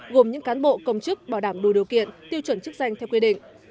gồm những cán bộ công chức bảo đảm đủ điều kiện tiêu chuẩn chức danh theo quy định